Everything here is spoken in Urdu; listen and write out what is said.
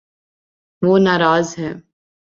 وہ نا راض ہے